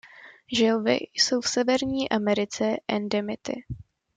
Želvy jsou v Severní Americe endemity.